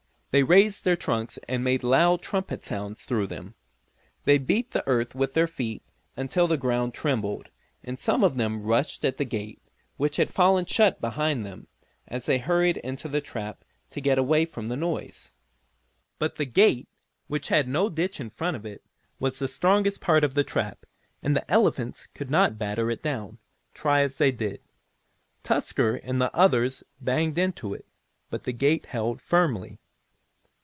They raised their trunks and made loud trumpet sounds through them. They beat the earth with their feet until the ground trembled, and some of them rushed at the gate, which had fallen shut behind them, as they hurried into the trap to get away from the noise. But the gate, which had no ditch in front of it, was the strongest part of the trap, and the elephants could not batter it down, try as they did. Tusker and the others banged into it, but the gate held firmly.